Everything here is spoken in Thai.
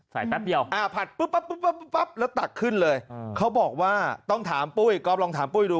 แป๊บเดียวผัดปุ๊บปั๊บแล้วตักขึ้นเลยเขาบอกว่าต้องถามปุ้ยก๊อฟลองถามปุ้ยดู